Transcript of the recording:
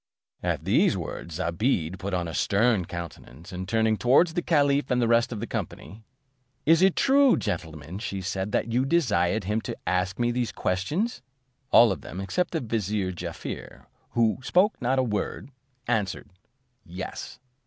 At these words, Zobeide put on a stern countenance, and turning towards the caliph and the rest of the company, "Is it true, gentlemen," said she, "that you desired him to ask me these questions?" All of them, except the vizier Jaaffier, who spoke not a word, answered, "Yes."